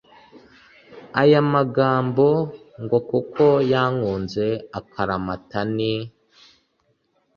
aya magambo ngo kuko yankunze akaramata ni